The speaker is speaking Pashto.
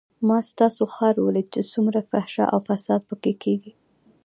ما ستاسو ښار وليد چې څومره فحشا او فساد پکښې کېږي.